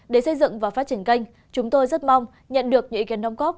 để xây dựng và phát triển kênh chúng tôi rất mong nhận được những ý kiến nông góp